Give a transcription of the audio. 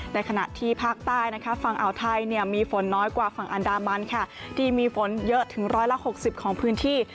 ในขณะที่ภาคใต้นะคะฝั่งอ่าวไทยมีฝนน้อยกว่าฝั่งอันดามันค่ะที่มีฝนเยอะถึง๑๖๐ของพื้นที่